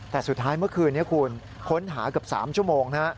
แต่สุดท้ายเมื่อคืนค้นหากับ๓ชั่วโมง